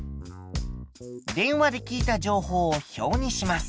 電話で聞いた情報を表にします。